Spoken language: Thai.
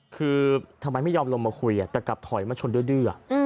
คือทำไมไม่ยอมลงมาคุยแต่กลับถอยมาชนดื้อ